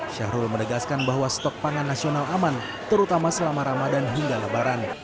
syahrul menegaskan bahwa stok pangan nasional aman terutama selama ramadan hingga lebaran